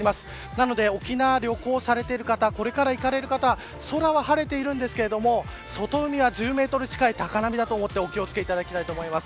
なので沖縄を旅行されている方これから行かれる方空は晴れているんですけど外海は１０メートル近い高波だと思ってお気を付けください。